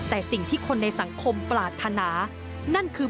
แต่สิ่งที่คนในสังคมปรารถนานั่นคือ